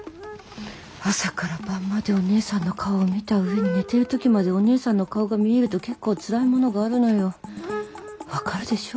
朝から晩までお姉さんの顔を見た上に寝てる時までお姉さんの顔が見えると結構ツラいものがあるのよ分かるでしょ？